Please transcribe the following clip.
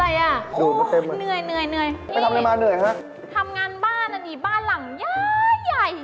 ไปทำอะไรมาเหนื่อยฮะทำงานบ้านอ่ะดิบ้านหลังย้าย